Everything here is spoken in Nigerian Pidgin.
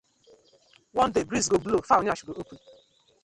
One day breeze go blow, fowl yansh go open: